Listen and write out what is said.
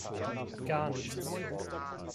Gar nichts.